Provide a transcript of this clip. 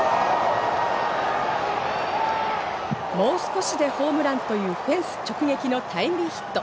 もう少しでホームランという、フェンス直撃のタイムリーヒット。